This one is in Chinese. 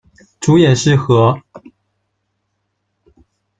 主演是和。